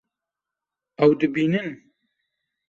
Ew dibînin